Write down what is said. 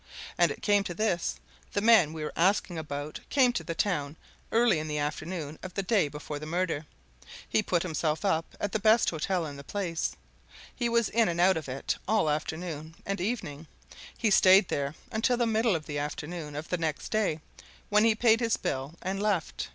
And it came to this: the man we were asking about came to the town early in the afternoon of the day before the murder; he put himself up at the best hotel in the place; he was in and out of it all the afternoon and evening; he stayed there until the middle of the afternoon of the next day, when he paid his bill and left.